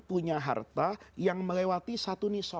punya harta yang melewati satu nisola